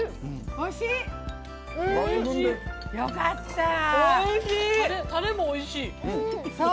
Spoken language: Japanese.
たれもおいしい。